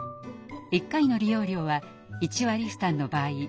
１回の利用料は１割負担の場合